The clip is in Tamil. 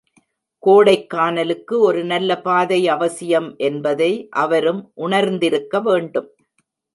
கோடைக்கானலுக்கு ஒரு நல்ல பாதை அவசியம் என்பதை அவரும் உணர்ந்திருக்க வேண்டும்.